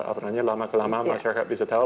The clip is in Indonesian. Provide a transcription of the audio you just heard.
apalagi lama kelamaan masyarakat bisa tahu